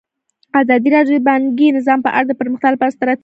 ازادي راډیو د بانکي نظام په اړه د پرمختګ لپاره د ستراتیژۍ ارزونه کړې.